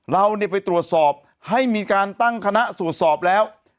เราไปตรวจสอบให้มีการตั้งคณะตรวจสอบแล้ว